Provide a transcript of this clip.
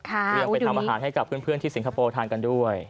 ก็ยังไปทำอาหารให้กับเพื่อนที่สิงคโปร์ทานกันด้วย